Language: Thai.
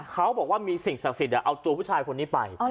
เขาบอกว่ามีสิ่งศักดิ์สิทธิ์เอาตัวผู้ชายคนนี้ไป